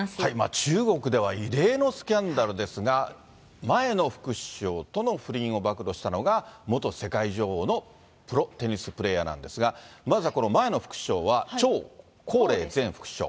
中国では異例のスキャンダルですが、前の副首相との不倫を暴露したのが、元世界女王のプロテニスプレーヤーなんですが、まずはこの前の副首相は張高麗前副首相。